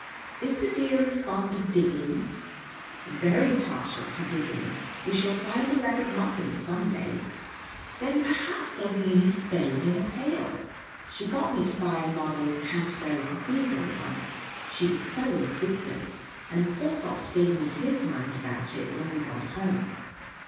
"Is the deary fond of digging?" "Very partial to digging." (We shall find the leg of mutton some day.) "Then perhaps a weeny spade and a pail?" She got me to buy a model of Canterbury Cathedral once, she was so insistent, and Porthos gave me his mind about it when we got home.